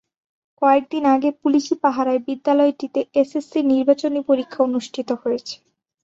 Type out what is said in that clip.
কয়েক দিন আগে পুলিশি পাহারায় বিদ্যালয়টিতে এসএসসির নির্বাচনী পরীক্ষা অনুষ্ঠিত হয়েছে।